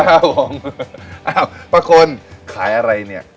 อ้าวประคลขายอะไรเนี่ย